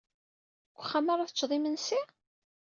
Deg uxxam ara teččed imensi?